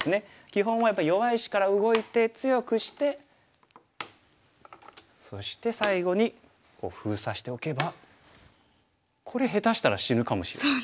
基本はやっぱり弱い石から動いて強くしてそして最後に封鎖しておけばこれ下手したら死ぬかもしれない。